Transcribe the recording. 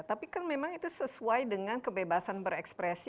tapi kan memang itu sesuai dengan kebebasan berekspresi